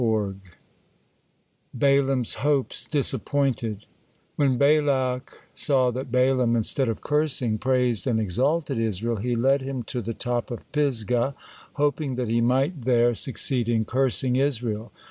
BALAAM'S HOPES DISAPPOINTED When Balak saw that Balaam, instead of cursing, praised and exalted Israel, he led him to the top of Pisgah, hoping that he might there succeed in cursing Israel.